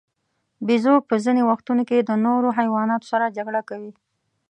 بیزو په ځینو وختونو کې د نورو حیواناتو سره جګړه کوي.